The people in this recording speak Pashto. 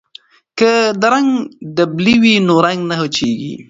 که د رنګ ډبلي وي نو رنګ نه وچیږي.